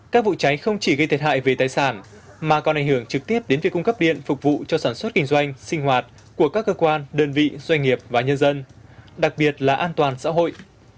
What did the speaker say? các vụ cháy không chỉ gây thiệt hại về tài sản mà còn ảnh hưởng trực tiếp đến việc cung cấp điện phục vụ cho sản xuất kinh doanh sinh hoạt của các cơ quan đơn vị doanh nghiệp và nhân dân đặc biệt là an toàn xã hội